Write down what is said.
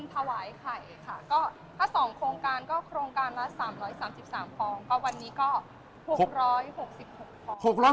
ถ้าส่องโครงการก็โครงการละ๓๓๓ฟอง